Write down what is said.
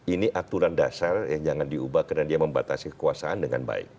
ini aturan dasar yang jangan diubah karena dia membatasi kekuasaan dengan baik